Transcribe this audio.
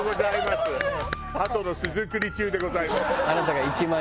ハトの巣作り中でございます。